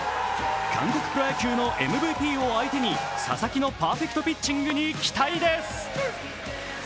韓国プロ野球のＭＶＰを相手に佐々木のパーフェクトピッチングに期待です。